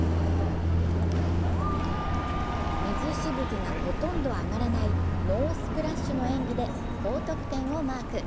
水しぶきがほとんど上がらないノースプラッシュの演技で高得点をマーク。